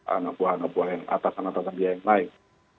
anggota anggota yang atasan atasan dia yang lain